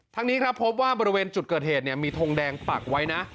นี้ครับพบว่าบริเวณจุดเกิดเหตุมีทงแดงปักไว้นะ